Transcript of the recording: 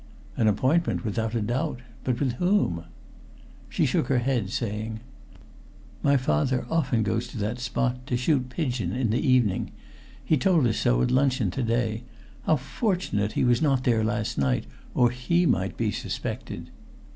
"An appointment, without a doubt. But with whom?" She shook her head, saying: "My father often goes to that spot to shoot pigeon in the evening. He told us so at luncheon to day. How fortunate he was not there last night, or he might be suspected."